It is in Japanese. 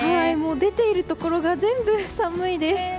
出ているところが全部寒いです。